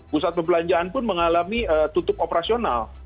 pusat perbelanjaan pun mengalami tutup operasional